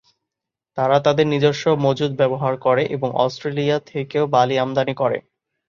তারা তাদের নিজস্ব মজুদ ব্যবহার করে এবং অস্ট্রেলিয়া থেকে ও বালি আমদানি করে।